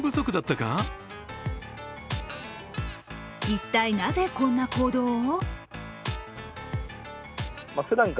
一体、なぜ、こんな行動を？